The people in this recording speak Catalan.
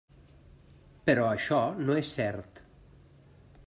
Però això no és cert.